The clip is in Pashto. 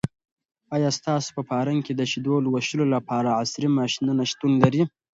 آیا ستاسو په فارم کې د شیدو لوشلو لپاره عصري ماشینونه شتون لري؟